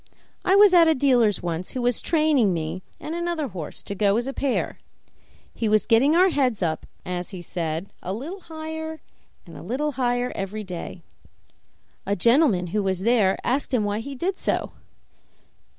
I was at a dealer's once, who was training me and another horse to go as a pair; he was getting our heads up, as he said, a little higher and a little higher every day. A gentleman who was there asked him why he did so.